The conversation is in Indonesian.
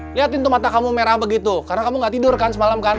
lihat itu mata kamu merah begitu karena kamu nggak tidur kan semalam kan